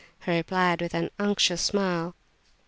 he replied, with an unctuous smile.